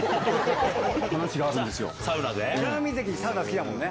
北の湖関サウナ好きだもんね。